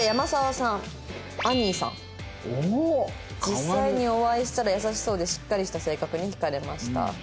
「実際にお会いしたら優しそうでしっかりした性格に引かれました」。